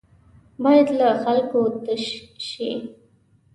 بايد له خلکو تش شي.